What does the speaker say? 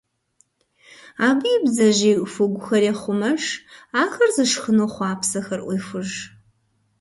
Абы и бдзэжьей хугухэр ехъумэж, ахэр зышхыну хъуапсэхэр Ӏуехуж.